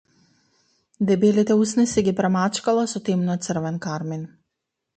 Дебелите усни си ги премачкала со темно-црвен кармин.